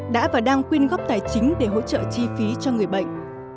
đã và đang quyên góp tài chính để hỗ trợ chi phí cho người bệnh